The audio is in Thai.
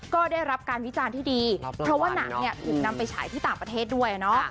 ก็ได้รับการวิจารณ์ที่ดีเพราะว่าหนังเนี่ยถูกนำไปฉายที่ต่างประเทศด้วยเนาะ